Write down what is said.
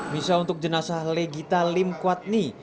misal untuk jenazah legi talim kwadni